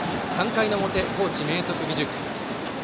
３回の表、高知・明徳義塾。